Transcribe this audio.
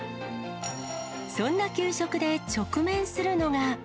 そんな給食で直面するのが。